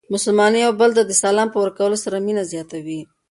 مسلمانان یو بل ته د سلام په ورکولو سره مینه زیاتوي.